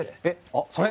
あっそれ！